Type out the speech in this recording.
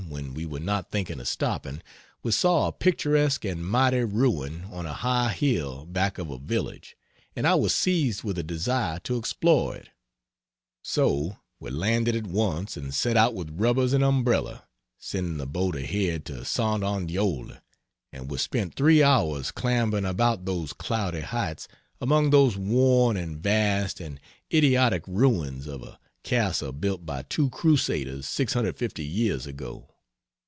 when we were not thinking of stopping, we saw a picturesque and mighty ruin on a high hill back of a village, and I was seized with a desire to explore it; so we landed at once and set out with rubbers and umbrella, sending the boat ahead to St. Andeol, and we spent 3 hours clambering about those cloudy heights among those worn and vast and idiotic ruins of a castle built by two crusaders 650 years ago.